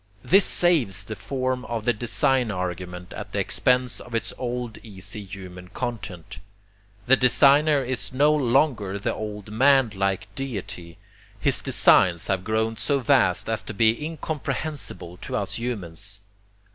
This saves the form of the design argument at the expense of its old easy human content. The designer is no longer the old man like deity. His designs have grown so vast as to be incomprehensible to us humans.